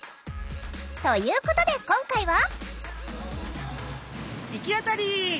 ということで今回は。